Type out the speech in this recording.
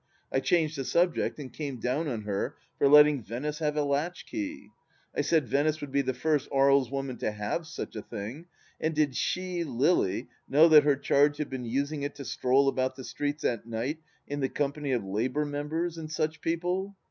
... I changed the subject, and came down on her for letting Venice have a latchkey. I said Venice would be the first Aries woman to have such a thing, and did she, Lily, know that her charge had been using it to stroll about the streets at night in the company of Labour Members, and such people